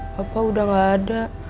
bapak udah nggak ada